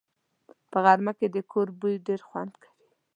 په غرمه کې د کور بوی ډېر خوند کوي